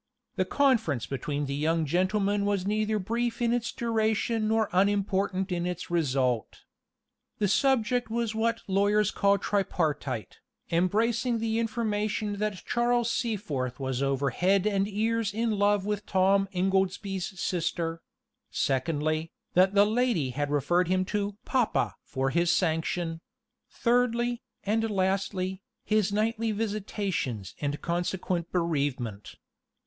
The conference between the young gentlemen was neither brief in its duration nor unimportant in its result. The subject was what the lawyers call tripartite, embracing the information that Charles Seaforth was over head and ears in love with Tom Ingoldsby's sister; secondly, that the lady had referred him to "papa" for his sanction; thirdly, and lastly, his nightly visitations and consequent bereavement.